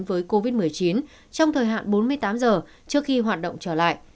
với covid một mươi chín trong thời hạn bốn mươi tám giờ trước khi hoạt động trở lại